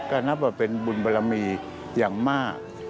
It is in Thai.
ก็นับว่าเป็นบุญบรมีอย่างมาก